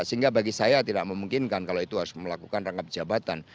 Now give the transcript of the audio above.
sehingga bagi saya tidak memungkinkan kalau itu harus melakukan rangkap jabatan